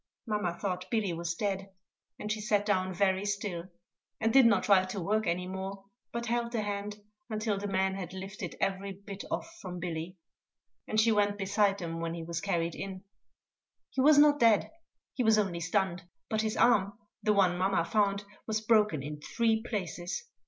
Mamma thought Billy was dead, and she sat down very still, and did not try to work any more, but held the hand until the men had lifted every bit off from Billy; and she went beside them when he was carried in. He was not dead, he was only stunned; but his arm, the one mamma found, was broken in three places.